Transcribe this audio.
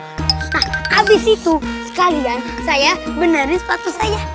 nah habis itu sekalian saya benarin sepatu saya